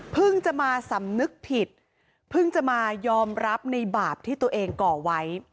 จะมาสำนึกผิดเพิ่งจะมายอมรับในบาปที่ตัวเองก่อไว้